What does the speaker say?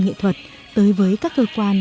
nghệ thuật tới với các cơ quan